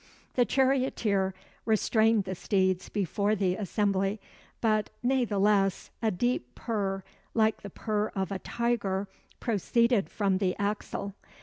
The charioteer restrained the steeds before the assembly, but nay the less a deep purr like the purr of a tiger proceeded from the axle.